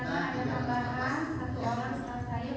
tidak sama sekali